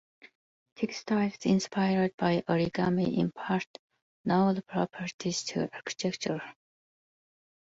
Textiles inspired by origami impart novel properties to architecture.